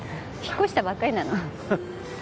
引っ越したばっかりなの。